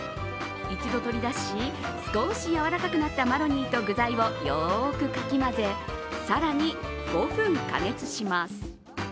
一度取り出し、少し柔らかくなったマロニーと具材をよくかき混ぜ更に５分加熱します。